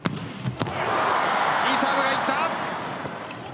いいサーブがいった。